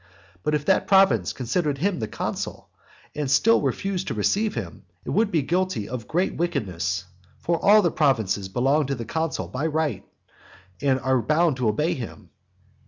But if that province considered him the consul, and still refused to receive him, it would be guilty of great wickedness. For all the provinces belong to the consul of right, and are bound to obey him.